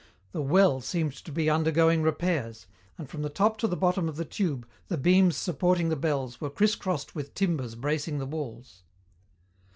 The "well" seemed to be undergoing repairs, and from the top to the bottom of the tube the beams supporting the bells were crisscrossed with timbers bracing the walls.